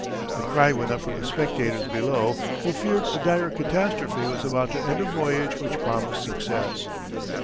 A cry went up from the spectators below who feared a dire catastrophe was about to end a voyage which promised success.